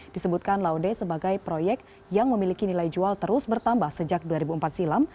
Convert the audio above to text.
disebutkan laude sebagai proyek yang memiliki nilai jual terus bertambah sejak dua ribu empat silam